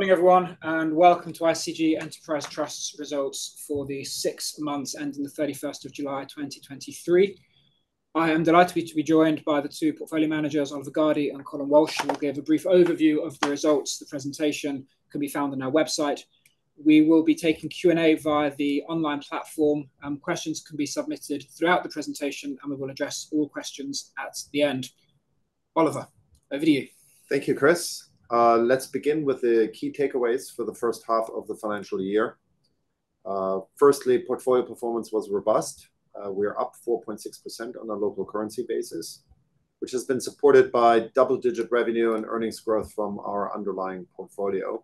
Good morning, everyone, and welcome to ICG Enterprise Trust's results for the six months ending the thirty-first of July, 2023. I am delighted to be joined by the two portfolio managers, Oliver Gardey and Colm Walsh, who will give a brief overview of the results. The presentation can be found on our website. We will be taking Q&A via the online platform, questions can be submitted throughout the presentation, and we will address all questions at the end. Oliver, over to you. Thank you, Chris. Let's begin with the key takeaways for the first half of the financial year. Firstly, portfolio performance was robust. We are up 4.6% on a local currency basis, which has been supported by double-digit revenue and earnings growth from our underlying portfolio.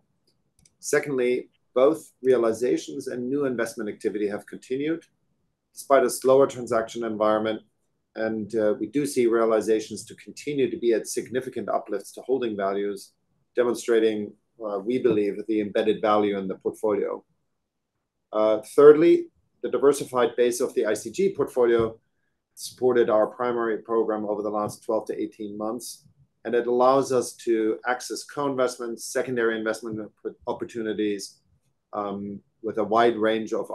Secondly, both realizations and new investment activity have continued despite a slower transaction environment, and we do see realizations to continue to be at significant uplifts to holding values, demonstrating we believe the embedded value in the portfolio. Thirdly, the diversified base of the ICG portfolio supported our primary program over the last 12-18 months, and it allows us to access co-investment, secondary investment opportunities with a wide range of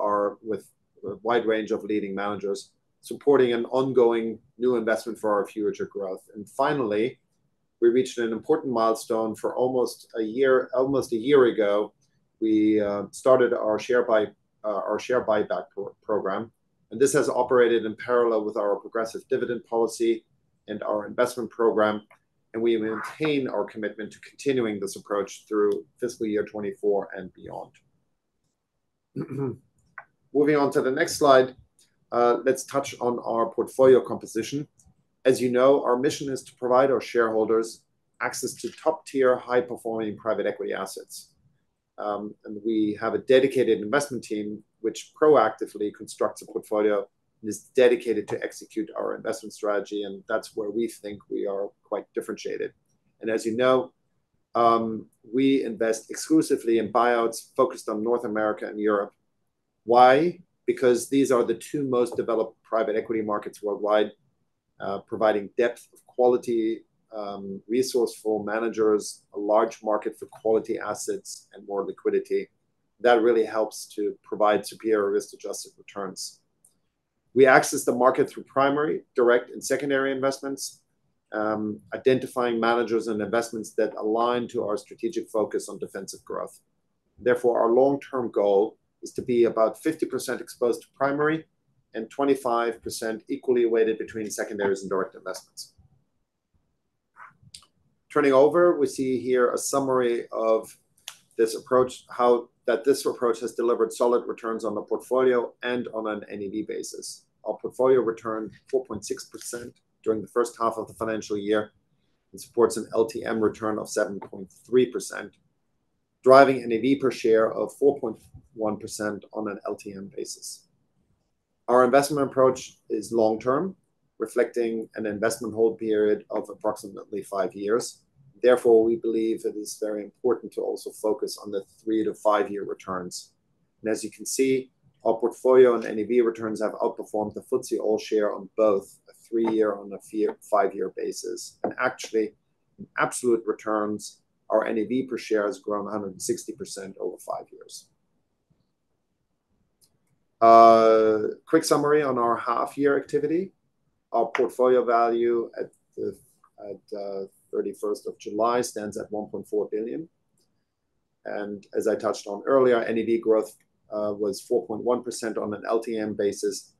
leading managers, supporting an ongoing new investment for our future growth. Finally, we reached an important milestone for almost a year. Almost a year ago, we started our share buyback program, and this has operated in parallel with our progressive dividend policy and our investment program, and we maintain our commitment to continuing this approach through fiscal year 2024 and beyond. Moving on to the next slide, let's touch on our portfolio composition. As you know, our mission is to provide our shareholders access to top-tier, high-performing private equity assets. And we have a dedicated investment team, which proactively constructs a portfolio and is dedicated to execute our investment strategy, and that's where we think we are quite differentiated. As you know, we invest exclusively in buyouts focused on North America and Europe. Why? Because these are the two most developed private equity markets worldwide, providing depth of quality, resourceful managers, a large market for quality assets, and more liquidity. That really helps to provide superior risk-adjusted returns. We access the market through primary, direct, and secondary investments, identifying managers and investments that align to our strategic focus on defensive growth. Therefore, our long-term goal is to be about 50% exposed to primary and 25% equally weighted between secondaries and direct investments. Turning over, we see here a summary of this approach, that this approach has delivered solid returns on the portfolio and on an NAV basis. Our portfolio returned 4.6% during the first half of the financial year and supports an LTM return of 7.3%, driving NAV per share of 4.1% on an LTM basis. Our investment approach is long term, reflecting an investment hold period of approximately five years. Therefore, we believe it is very important to also focus on the 3-5-year returns. As you can see, our portfolio and NAV returns have outperformed the FTSE All-Share on both a 3-year and 5-year basis. Actually, in absolute returns, our NAV per share has grown 160% over five years. Quick summary on our half-year activity. Our portfolio value at the 31st of July stands at 1.4 billion. As I touched on earlier, our NAV growth was 4.1% on an LTM basis,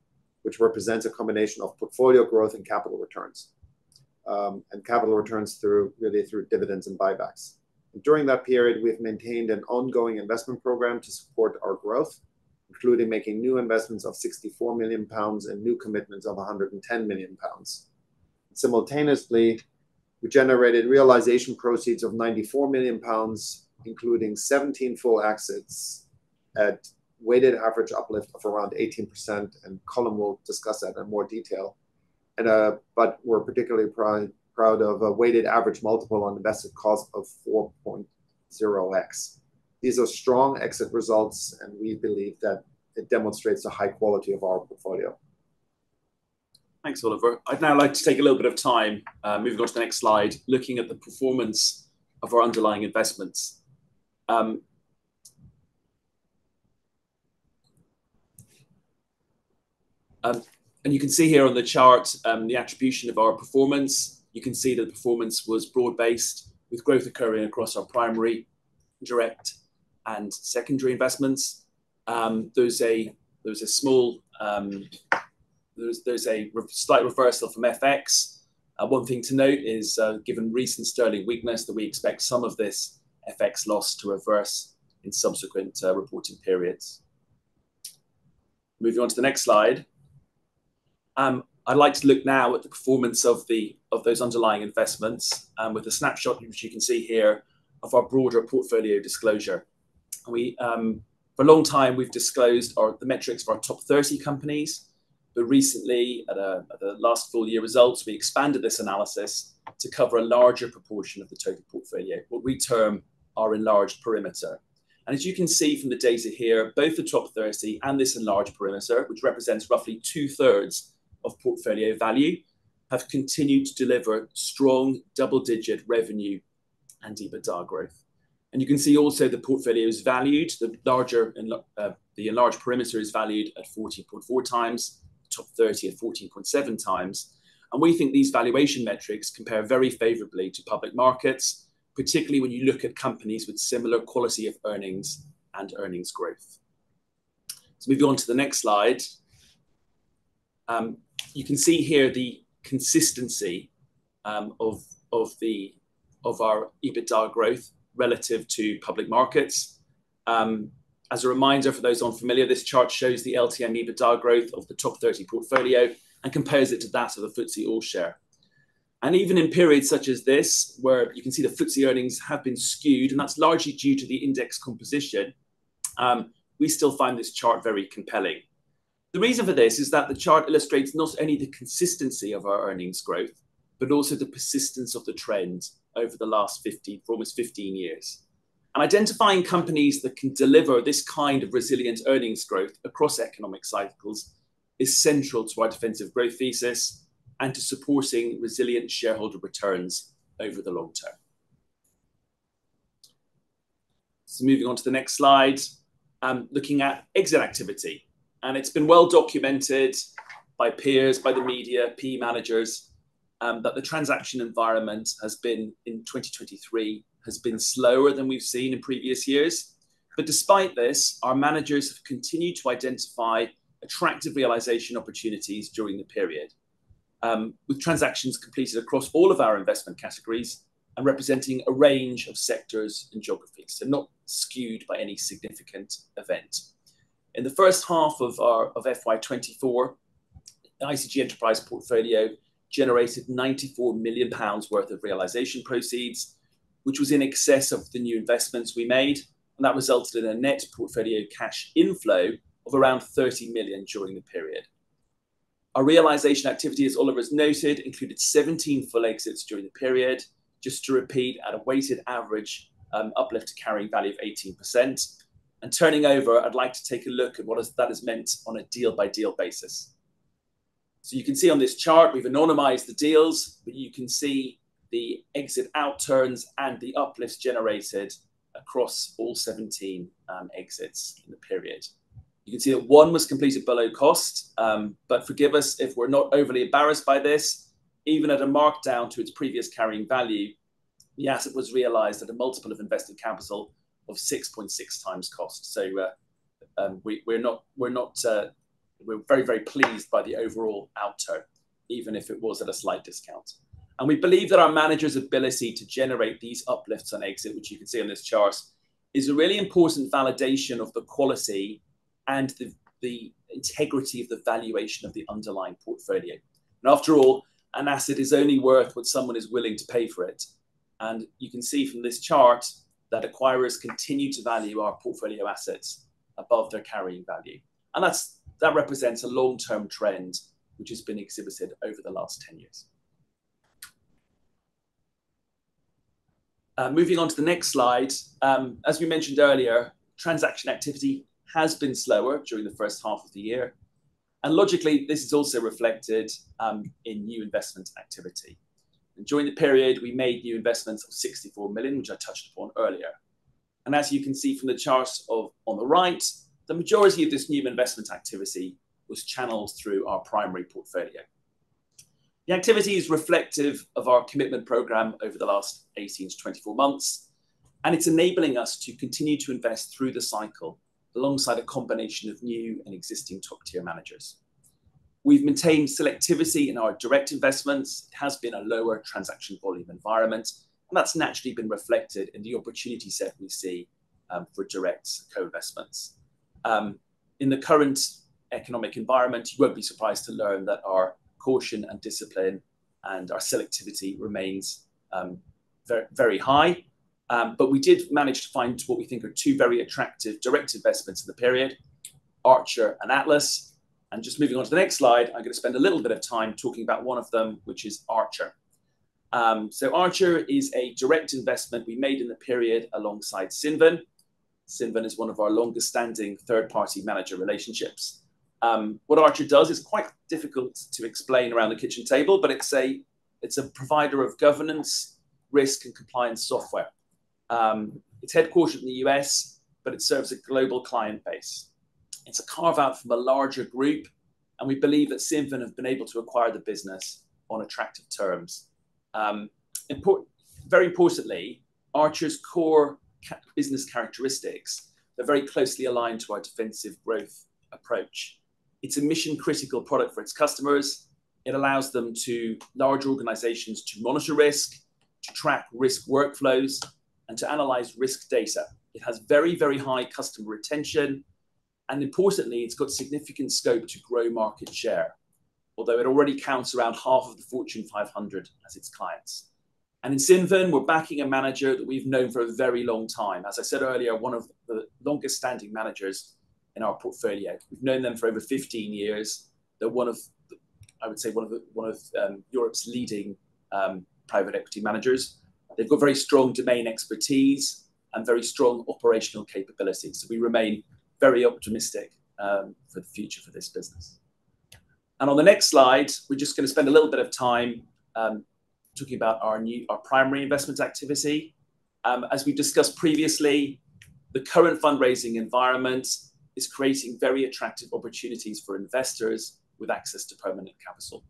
which represents a combination of portfolio growth and capital returns, and capital returns through, really through dividends and buybacks. During that period, we've maintained an ongoing investment program to support our growth, including making new investments of 64 million pounds and new commitments of 110 million pounds. Simultaneously, we generated realization proceeds of 94 million pounds, including 17 full exits at weighted average uplift of around 18%, and Colm will discuss that in more detail. But we're particularly proud of a weighted average multiple on invested cost of 4.0x. These are strong exit results, and we believe that it demonstrates the high quality of our portfolio. Thanks, Oliver. I'd now like to take a little bit of time, moving on to the next slide, looking at the performance of our underlying investments. You can see here on the chart, the attribution of our performance. You can see that the performance was broad-based, with growth occurring across our primary, direct, and secondary investments. There's a small, slight reversal from FX. One thing to note is, given recent sterling weakness, that we expect some of this FX loss to reverse in subsequent reporting periods. Moving on to the next slide. I'd like to look now at the performance of those underlying investments, with a snapshot, which you can see here, of our broader portfolio disclosure. We, for a long time, we've disclosed our, the metrics of our top 30 companies, but recently, at the last full year results, we expanded this analysis to cover a larger proportion of the total portfolio, what we term our enlarged perimeter. As you can see from the data here, both the top 30 and this enlarged perimeter, which represents roughly two-thirds of portfolio value, have continued to deliver strong double-digit revenue and EBITDA growth. You can see also the portfolio is valued, the larger and the enlarged perimeter is valued at 14.4x, top 30 at 14.7x. We think these valuation metrics compare very favorably to public markets, particularly when you look at companies with similar quality of earnings and earnings growth. Let's move on to the next slide. You can see here the consistency of our EBITDA growth relative to public markets. As a reminder, for those unfamiliar, this chart shows the LTM EBITDA growth of the top 30 portfolio and compares it to that of the FTSE All-Share. Even in periods such as this, where you can see the FTSE earnings have been skewed, and that's largely due to the index composition, we still find this chart very compelling. The reason for this is that the chart illustrates not only the consistency of our earnings growth, but also the persistence of the trend over the last 15, for almost 15 years. Identifying companies that can deliver this kind of resilient earnings growth across economic cycles is central to our defensive growth thesis and to supporting resilient shareholder returns over the long term. So moving on to the next slide, looking at exit activity, and it's been well documented by peers, by the media, PE managers, that the transaction environment has been, in 2023, has been slower than we've seen in previous years. But despite this, our managers have continued to identify attractive realization opportunities during the period, with transactions completed across all of our investment categories and representing a range of sectors and geographies, so not skewed by any significant event. In the first half of our, of FY 2024, the ICG Enterprise portfolio generated 94 million pounds worth of realization proceeds, which was in excess of the new investments we made, and that resulted in a net portfolio cash inflow of around 30 million during the period. Our realization activity, as Oliver has noted, included 17 full exits during the period, just to repeat, at a weighted average uplift to carrying value of 18%. Turning over, I'd like to take a look at what that has meant on a deal-by-deal basis. You can see on this chart, we've anonymized the deals, but you can see the exit outturns and the uplifts generated across all 17 exits in the period. You can see that one was completed below cost. Forgive us if we're not overly embarrassed by this. Even at a markdown to its previous carrying value, the asset was realized at a multiple of invested capital of 6.6x cost. We're not, we're not, we're very, very pleased by the overall outturn, even if it was at a slight discount. We believe that our managers' ability to generate these uplifts on exit, which you can see on this chart, is a really important validation of the quality and the integrity of the valuation of the underlying portfolio. After all, an asset is only worth what someone is willing to pay for it. You can see from this chart that acquirers continue to value our portfolio assets above their carrying value, and that represents a long-term trend which has been exhibited over the last 10 years. Moving on to the next slide. As we mentioned earlier, transaction activity has been slower during the first half of the year, and logically, this is also reflected in new investment activity. During the period, we made new investments of 64 million, which I touched upon earlier. As you can see from the charts on the right, the majority of this new investment activity was channeled through our primary portfolio. The activity is reflective of our commitment program over the last 18-24 months, and it's enabling us to continue to invest through the cycle alongside a combination of new and existing top-tier managers. We've maintained selectivity in our direct investments. It has been a lower transaction volume environment, and that's naturally been reflected in the opportunity set we see for direct co-investments. In the current economic environment, you won't be surprised to learn that our caution and discipline and our selectivity remains very, very high. But we did manage to find what we think are two very attractive direct investments in the period, Archer and Atlas. Just moving on to the next slide, I'm going to spend a little bit of time talking about one of them, which is Archer. Archer is a direct investment we made in the period alongside Cinven. Cinven is one of our longest-standing third-party manager relationships. What Archer does is quite difficult to explain around the kitchen table, but it's a, it's a provider of governance, risk, and compliance software. It's headquartered in the U.S., but it serves a global client base. It's a carve-out from a larger group, and we believe that Cinven have been able to acquire the business on attractive terms. Very importantly, Archer's core business characteristics are very closely aligned to our defensive growth approach. It's a mission-critical product for its customers. It allows large organizations to monitor risk, to track risk workflows, and to analyze risk data. It has very, very high customer retention, and importantly, it's got significant scope to grow market share, although it already counts around half of the Fortune 500 as its clients. In Cinven, we're backing a manager that we've known for a very long time. As I said earlier, one of the longest-standing managers in our portfolio. We've known them for over 15 years. They're one of Europe's leading private equity managers. They've got very strong domain expertise and very strong operational capabilities, so we remain very optimistic for the future for this business. On the next slide, we're just gonna spend a little bit of time talking about our primary investment activity. As we've discussed previously, the current fundraising environment is creating very attractive opportunities for investors with access to permanent capital.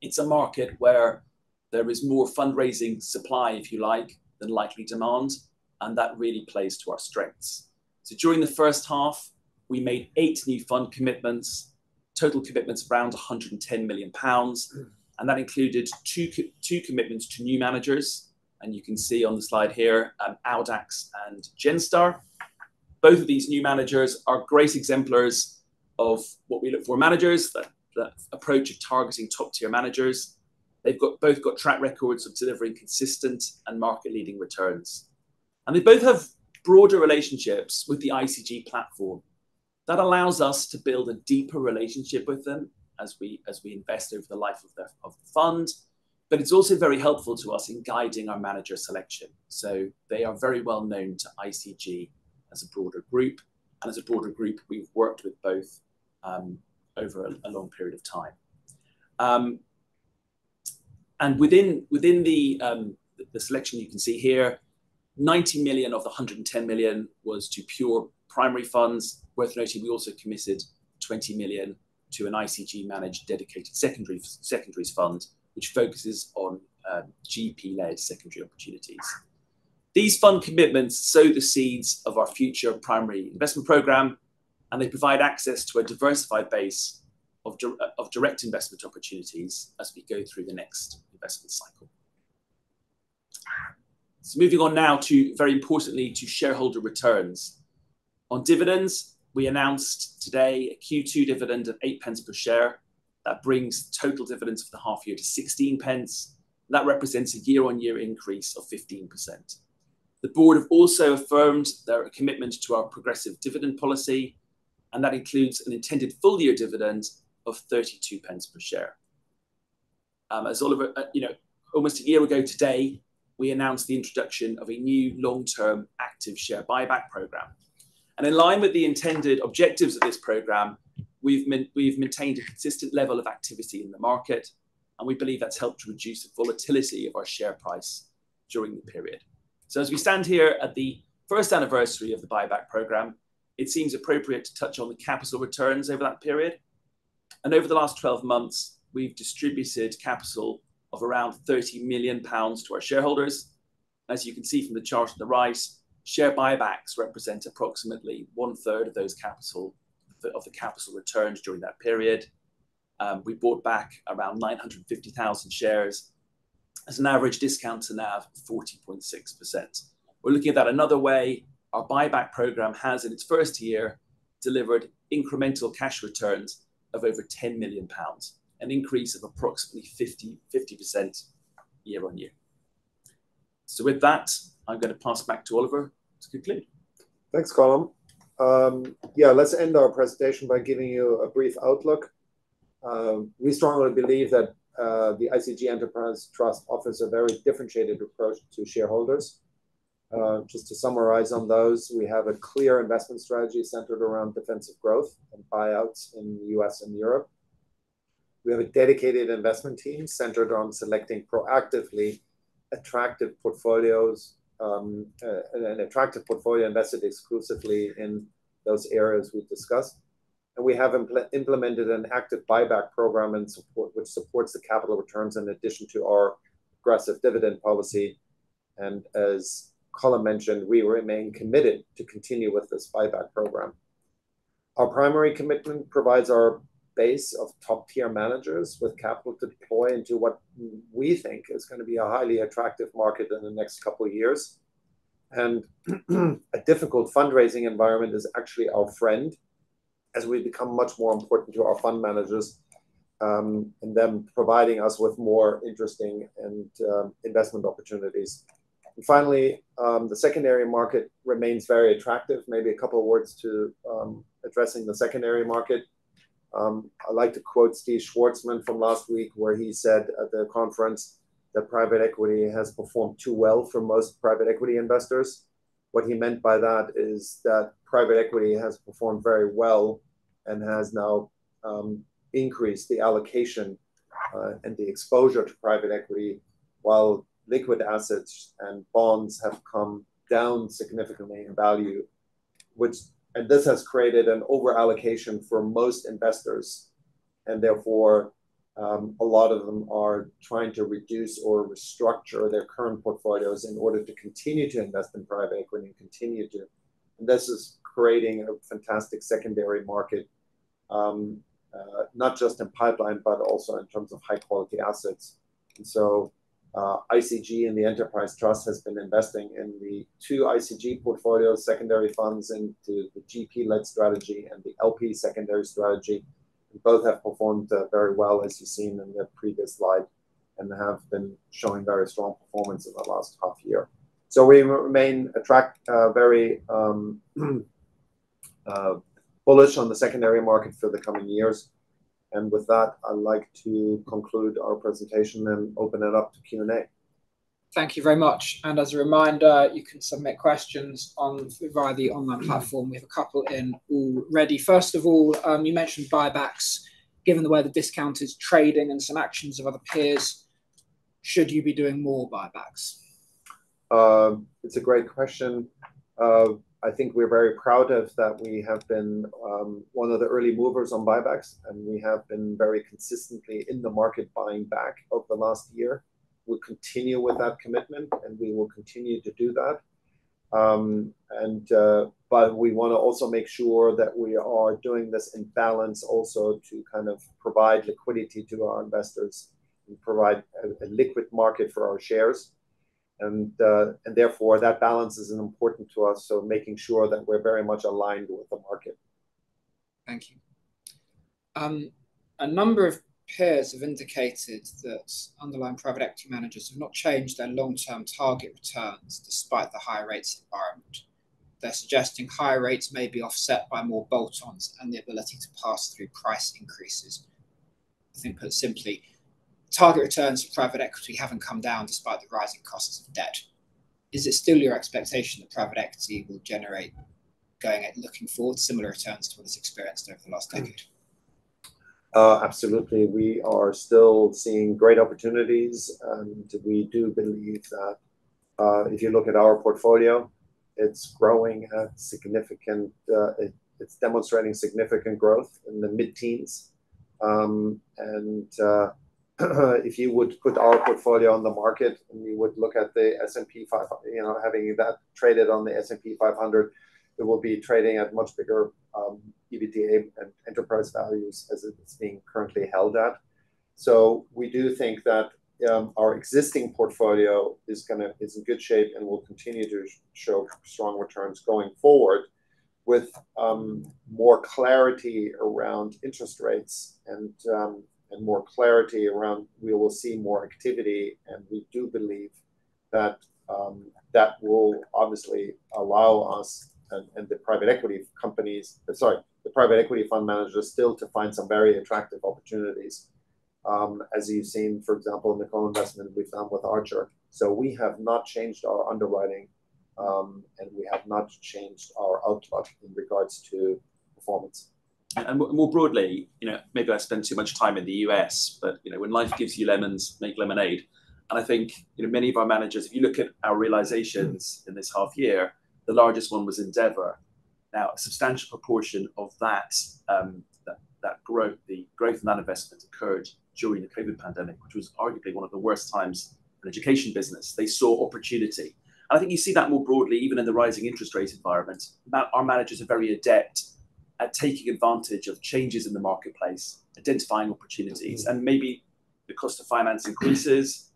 It's a market where there is more fundraising supply, if you like, than likely demand, and that really plays to our strengths. So during the first half, we made eight new fund commitments, total commitments around 110 million pounds, and that included two two commitments to new managers. And you can see on the slide here, Audax and Genstar. Both of these new managers are great exemplars of what we look for in managers, that approach of targeting top-tier managers. They've both got track records of delivering consistent and market-leading returns. And they both have broader relationships with the ICG platform. That allows us to build a deeper relationship with them as we invest over the life of the fund. But it's also very helpful to us in guiding our manager selection. So they are very well known to ICG as a broader group, and as a broader group, we've worked with both over a long period of time. And within the selection you can see here, 90 million of the 110 million was to pure primary funds. Worth noting, we also committed 20 million to an ICG-managed, dedicated secondaries fund, which focuses on GP-led secondary opportunities. These fund commitments sow the seeds of our future primary investment program, and they provide access to a diversified base of direct investment opportunities as we go through the next investment cycle. So moving on now to very importantly shareholder returns. On dividends, we announced today a Q2 dividend of 0.08 per share. That brings total dividends for the half year to 0.16, and that represents a year-on-year increase of 15%. The board have also affirmed their commitment to our progressive dividend policy, and that includes an intended full-year dividend of 0.32 per share. As Oliver, you know, almost a year ago today, we announced the introduction of a new long-term active share buyback program. And in line with the intended objectives of this program, we've maintained a consistent level of activity in the market, and we believe that's helped to reduce the volatility of our share price during the period. As we stand here at the first anniversary of the buyback program, it seems appropriate to touch on the capital returns over that period. Over the last 12 months, we've distributed capital of around 30 million pounds to our shareholders. As you can see from the chart on the right, share buybacks represent approximately one third of the capital returns during that period. We bought back around 950,000 shares, at an average discount to NAV of 40.6%. Looking at that another way, our buyback program has, in its first year, delivered incremental cash returns of over 10 million pounds, an increase of approximately 50% year on year. With that, I'm gonna pass back to Oliver to conclude. Thanks, Colm. Yeah, let's end our presentation by giving you a brief outlook. We strongly believe that the ICG Enterprise Trust offers a very differentiated approach to shareholders. Just to summarize on those, we have a clear investment strategy centered around defensive growth and buyouts in U.S. and Europe. We have a dedicated investment team centered on selecting proactively attractive portfolios, an attractive portfolio invested exclusively in those areas we've discussed. And we have implemented an active buyback program which supports the capital returns in addition to our aggressive dividend policy. And as Colm mentioned, we remain committed to continue with this buyback program. Our primary commitment provides our base of top-tier managers with capital to deploy into what we think is gonna be a highly attractive market in the next couple of years. A difficult fundraising environment is actually our friend, as we become much more important to our fund managers, and them providing us with more interesting and investment opportunities. Finally, the secondary market remains very attractive. Maybe a couple of words to addressing the secondary market. I'd like to quote Steve Schwarzman from last week, where he said at the conference that private equity has performed too well for most private equity investors. What he meant by that is that private equity has performed very well and has now increased the allocation and the exposure to private equity, while liquid assets and bonds have come down significantly in value, which has created an over allocation for most investors. Therefore, a lot of them are trying to reduce or restructure their current portfolios in order to continue to invest in private equity and continue to... This is creating a fantastic secondary market, not just in pipeline, but also in terms of high quality assets. ICG and the Enterprise Trust has been investing in the two ICG portfolio secondary funds into the GP-led strategy and the LP secondary strategy. Both have performed very well, as you've seen in the previous slide, and have been showing very strong performance in the last half year. We remain very bullish on the secondary market for the coming years. With that, I'd like to conclude our presentation and open it up to Q&A. Thank you very much. As a reminder, you can submit questions on via the online platform. We have a couple in already. First of all, you mentioned buybacks. Given the way the discount is trading and some actions of other peers, should you be doing more buybacks? It's a great question. I think we're very proud of that we have been one of the early movers on buybacks, and we have been very consistently in the market buying back over the last year. We'll continue with that commitment, and we will continue to do that. But we wanna also make sure that we are doing this in balance also to kind of provide liquidity to our investors and provide a liquid market for our shares. And therefore, that balance is important to us, so making sure that we're very much aligned with the market. Thank you. A number of peers have indicated that underlying private equity managers have not changed their long-term target returns despite the high rates environment. They're suggesting higher rates may be offset by more bolt-ons and the ability to pass through price increases. I think, put simply, target returns for private equity haven't come down despite the rising costs of debt. Is it still your expectation that private equity will generate, looking forward, similar returns to what it's experienced over the last decade? Absolutely. We are still seeing great opportunities, and we do believe that, if you look at our portfolio, it's growing at significant. It's demonstrating significant growth in the mid-teens. And, if you would put our portfolio on the market, and we would look at the S&P 500. You know, having that traded on the S&P 500, it will be trading at much bigger, EBITDA and enterprise values as it's being currently held at. So we do think that, our existing portfolio is in good shape and will continue to show strong returns going forward. With more clarity around interest rates and more clarity around, we will see more activity, and we do believe that, that will obviously allow us and the private equity companies... Sorry, the private equity fund managers still to find some very attractive opportunities, as you've seen, for example, in the co-investment we've done with Archer. So we have not changed our underwriting, and we have not changed our outlook in regards to performance. And more broadly, you know, maybe I spend too much time in the U.S., but, you know, when life gives you lemons, make lemonade. And I think, you know, many of our managers, if you look at our realizations in this half year, the largest one was Endeavor. Now, a substantial proportion of that growth, the growth in that investment occurred during the COVID pandemic, which was arguably one of the worst times in education business. They saw opportunity. And I think you see that more broadly, even in the rising interest rate environment, that our managers are very adept at taking advantage of changes in the marketplace, identifying opportunities, and maybe the cost of finance increases.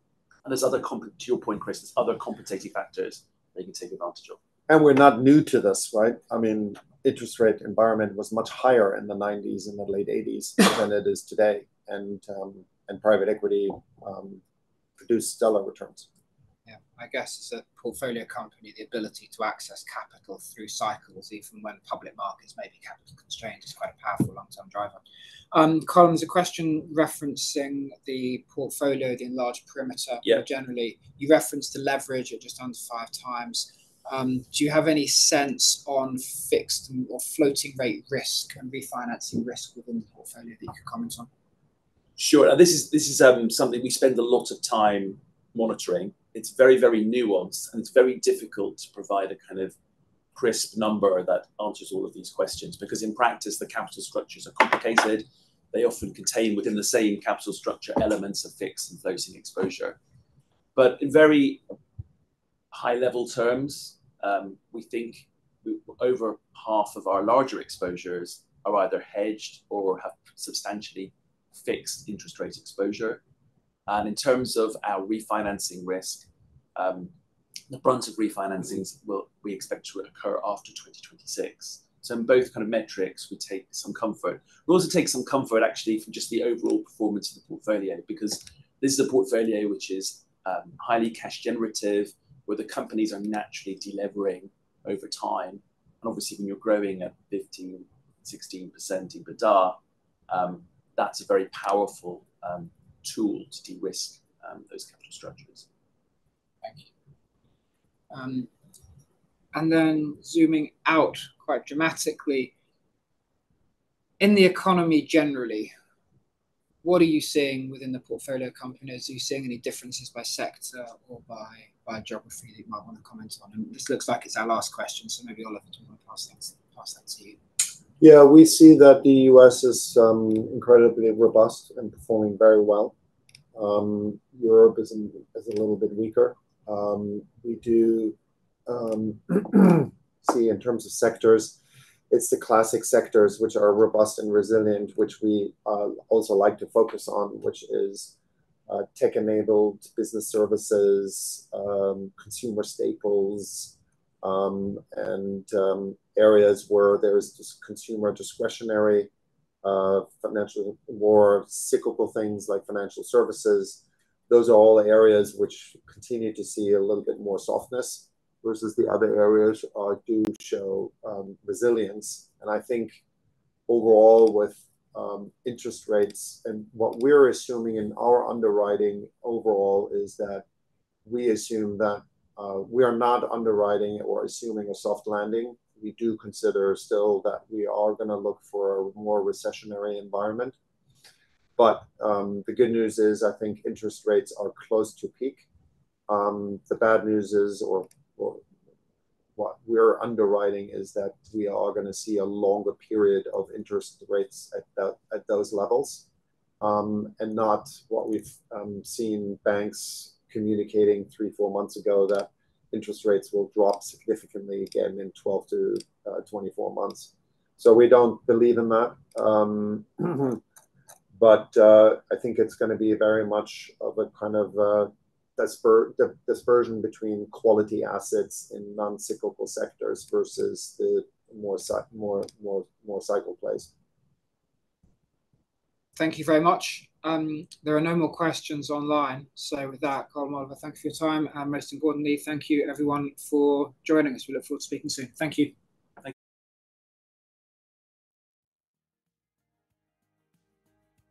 And there's other, to your point, Chris, there's other competitive factors they can take advantage of. And we're not new to this, right? I mean, interest rate environment was much higher in the nineties and the late eighties than it is today. And private equity produced stellar returns. Yeah. I guess as a portfolio company, the ability to access capital through cycles, even when public markets may be capital constrained, is quite a powerful long-term driver. Colm, there's a question referencing the portfolio, the enlarged perimeter- Yeah. More generally. You referenced the leverage at just under 5x. Do you have any sense on fixed or floating rate risk and refinancing risk within the portfolio that you could comment on? Sure. This is something we spend a lot of time monitoring. It's very, very nuanced, and it's very difficult to provide a kind of crisp number that answers all of these questions, because in practice, the capital structures are complicated. They often contain, within the same capital structure, elements of fixed and floating exposure. But in very high-level terms, we think over half of our larger exposures are either hedged or have substantially fixed interest rate exposure. And in terms of our refinancing risk, the brunt of refinancings will—we expect to occur after 2026. So in both kind of metrics, we take some comfort. We also take some comfort, actually, from just the overall performance of the portfolio, because this is a portfolio which is highly cash generative, where the companies are naturally delevering over time. Obviously, when you're growing at 15%-16% EBITDA, that's a very powerful tool to de-risk those capital structures. Thank you. And then zooming out quite dramatically, in the economy generally, what are you seeing within the portfolio companies? Are you seeing any differences by sector or by geography that you might wanna comment on? And this looks like it's our last question, so maybe I'll let the last things pass that to you. Yeah, we see that the U.S. is incredibly robust and performing very well. Europe is a little bit weaker. We do see in terms of sectors, it's the classic sectors which are robust and resilient, which we also like to focus on, which is tech-enabled business services, consumer staples, and areas where there is just consumer discretionary, financial, more cyclical things like financial services. Those are all areas which continue to see a little bit more softness versus the other areas do show resilience. And I think overall with interest rates and what we're assuming in our underwriting overall is that we assume that we are not underwriting or assuming a soft landing. We do consider still that we are gonna look for a more recessionary environment. But the good news is, I think interest rates are close to peak. The bad news is, or what we're underwriting, is that we are gonna see a longer period of interest rates at that, at those levels, and not what we've seen banks communicating three, four months ago, that interest rates will drop significantly again in 12-24 months. So we don't believe in that. But I think it's gonna be very much of a kind of a dispersion between quality assets in non-cyclical sectors versus the more cyclical plays. Thank you very much. There are no more questions online. So with that, Colm, Oliver, thank you for your time. Most importantly, thank you everyone for joining us. We look forward to speaking soon. Thank you. Thank you.